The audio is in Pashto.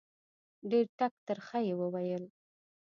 ډېر ټک ترخه یې وویل.